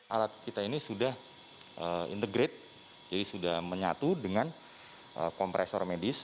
alat kita ini sudah integrate jadi sudah menyatu dengan kompresor medis